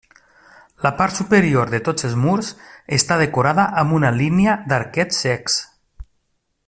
La part superior de tots els murs està decorada amb una línia d'arquets cecs.